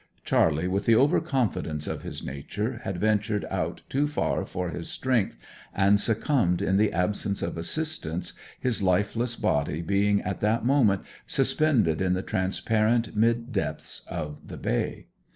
Charley, with the over confidence of his nature, had ventured out too far for his strength, and succumbed in the absence of assistance, his lifeless body being at that moment suspended in the transparent mid depths of the bay.